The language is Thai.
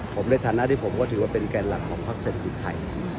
ผมในฐานะที่ผมก็ถือว่าเป็นแกนหลักของพักเศรษฐกิจไทย